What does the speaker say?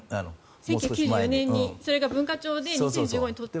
１９９４年にそれが文化庁で通って。